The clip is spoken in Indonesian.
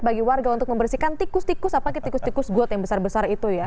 bagi warga untuk membersihkan tikus tikus apalagi tikus tikus got yang besar besar itu ya